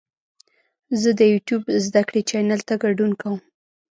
زه د یوټیوب زده کړې چینل ته ګډون کوم.